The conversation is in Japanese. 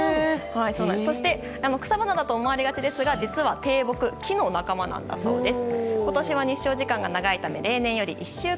そして草花だと思われがちですが実は低木木の仲間なんだそうです。